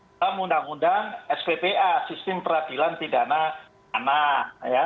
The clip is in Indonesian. dalam undang undang sppa sistem peradilan pidana anak